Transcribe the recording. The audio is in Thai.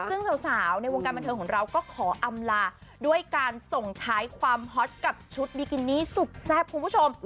ซึ่งสาวในวงการบันเทิงของเราก็ขออำลาด้วยการส่งท้ายความฮอตกับชุดบิกินี่สุดแซ่บคุณผู้ชม